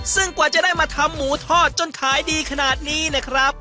ซึ่งกว่าจะได้มาทำหมูทอดจนขายดีขนาดนี้นะครับ